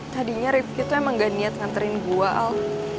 tadinya rifqi tuh emang gak niat nganterin gue al